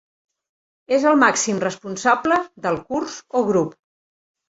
És el màxim responsable del curs o grup.